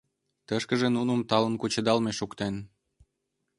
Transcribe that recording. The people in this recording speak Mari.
Тышкыже нуным талын кучедалме шуктен.